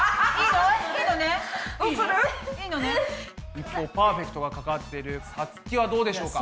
一方パーフェクトがかかってるさつきはどうでしょうか？